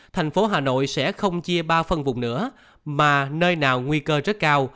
thành phố hà nội sẽ không chia ba phân vùng nữa mà nơi nào nguy cơ rất cao